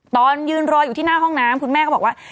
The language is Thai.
ตอนยืนรออยู่ที่หน้าห้องน้ำคุณแม่ก็บอกว่า